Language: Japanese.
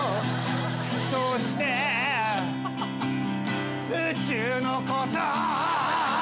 「そして」「宇宙のこと」